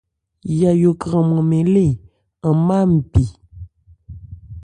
Yayó kranman mɛn lê an má npi.